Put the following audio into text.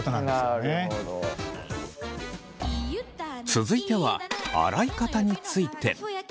続いては洗い方について。